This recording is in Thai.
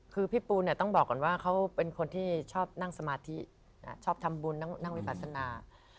คือพี่ปูเนี่ยต้องบอกก่อนว่าเขาเป็นคนที่ชอบนั่งสมาธิชอบทำบุญนั่งวิปัสนา